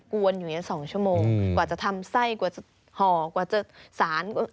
วนอยู่อย่างนี้๒ชั่วโมงกว่าจะทำไส้กว่าจะห่อกว่าจะสาร